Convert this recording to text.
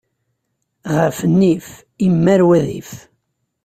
Ɣef nnif, immar wadif.